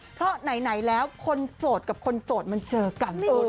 เพราะไหนแล้วคนโสดกับคนโสดมันเจอกัน